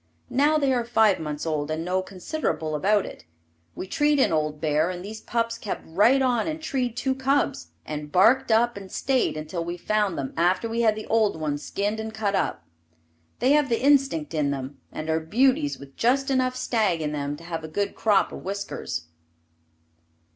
Now they are five months old and know considerable about it. We treed an old bear, and these pups kept right on and treed two cubs, and barked up and stayed until we found them after we had the old one skinned and cut up. They have the instinct in them, and are beauties with just enough stag in them to have a good crop of whiskers.